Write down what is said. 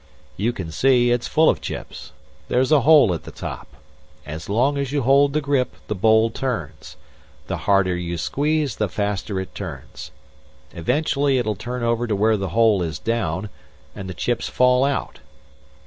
You can see, it's full of chips. There's a hole at the top. As long as you hold the grip, the bowl turns. The harder you squeeze, the faster it turns. Eventually it'll turn over to where the hole is down, and chips fall out.